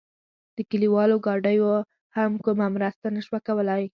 د کلیوالو ګاډیو هم کومه مرسته نه شوه کولای.